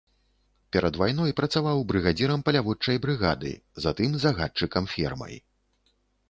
Перад вайной працаваў брыгадзірам паляводчай брыгады, затым загадчыкам фермай.